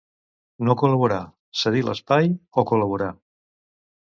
No col·laborar, cedir l'espai o col·laborar.